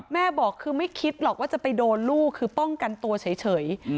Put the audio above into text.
แม่บอกคือไม่คิดหรอกว่าจะไปโดนลูกคือป้องกันตัวเฉย